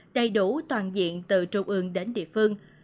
đầy đủ toàn diện từ trung ương đến địa phương